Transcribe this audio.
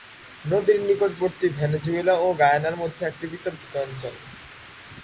নদীর নিকটবর্তী অঞ্চল ভেনেজুয়েলা ও গায়ানার মধ্যে একটি বিতর্কিত অঞ্চল।